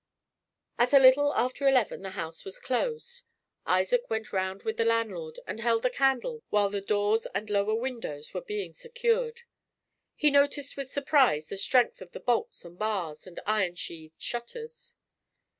At a little after eleven the house was closed. Isaac went round with the landlord and held the candle while the doors and lower windows were being secured. He noticed with surprise the strength of the bolts and bars, and iron sheathed shutters.